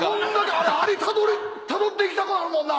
あれアリたどっていきたくなるもんな。